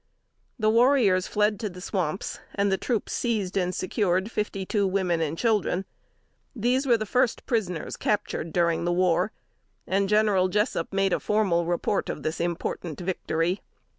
The warriors fled to the swamps; and the troops seized and secured fifty two women and children. These were the first prisoners captured during the war; and General Jessup made a formal report of this important victory.